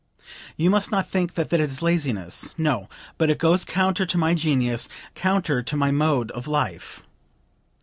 You must not think that it is laziness; no! but it goes counter to my genius, counter to my mode of life.